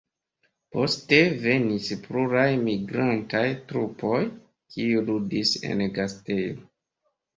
Poste venis pluraj migrantaj trupoj, kiuj ludis en gastejo.